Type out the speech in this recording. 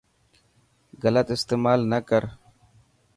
گلت استيمال نا ڪرو.